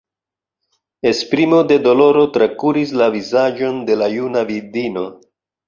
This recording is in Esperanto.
Esprimo de doloro trakuris la vizaĝon de la juna vidvino.